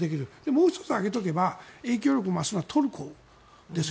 もう１つ挙げておけば影響力を増すのはトルコですね。